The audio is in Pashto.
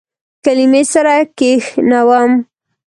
کلمې سره کښینوم